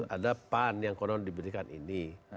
ada pan yang konon diberikan ini